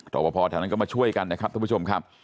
ต่อพอทางนั้นก็มาช่วยกันนะครับทุกผู้ชมครับ